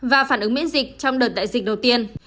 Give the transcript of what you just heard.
và phản ứng miễn dịch trong đợt đại dịch đầu tiên